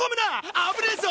危ねえぞ！